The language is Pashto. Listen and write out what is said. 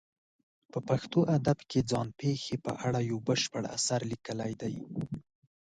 په پښتو ادب کې ځان پېښې په اړه یو بشپړ اثر لیکلی دی.